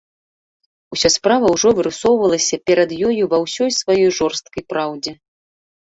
Уся справа ўжо вырысоўвалася перад ёю ва ўсёй сваёй жорсткай праўдзе.